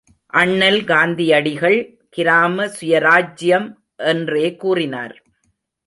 அண்ணல் காந்தியடிகள் கிராம சுயராஜ்யம் என்றே கூறினார்.